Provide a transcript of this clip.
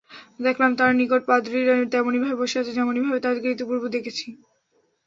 দেখলাম, তার নিকট পাদ্রীরা তেমনিভাবে বসে আছে যেমনিভাবে তাদেরকে ইতিপূর্বে দেখেছি।